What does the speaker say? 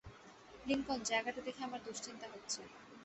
Lincoln, জায়গাটা দেখে আমার দুশ্চিন্তা হচ্ছে।